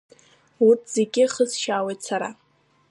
Урҭ зегь хысшьаауеит сара.